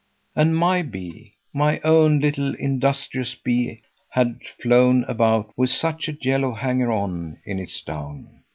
And my bee, my own little, industrious bee, bad flown about with such a yellow hanger on in its down.